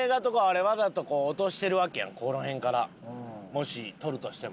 もし撮るとしても。